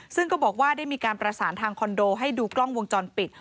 ซึ่งก็บอกว่าได้มีการประสานทางคอนโดให้ดูกล้องวงจรปิด